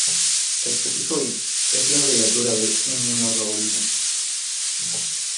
El prefijo Ig es la abreviatura de inmunoglobulina.